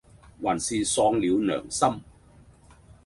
還是喪了良心，